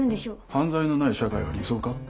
犯罪のない社会は理想か？